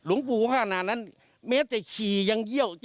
หลวงปู่ข้างหน้านั้นเมตต์แต่ฉี่ยังเยี่ยว